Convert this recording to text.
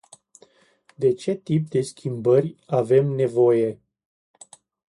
De ce tip de schimbări avem nevoie?